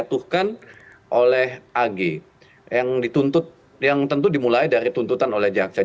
dijatuhkan oleh agh yang tentu dimulai dari tuntutan oleh jaksa